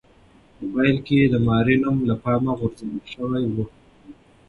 په پیل کې د ماري نوم له پامه غورځول شوی و.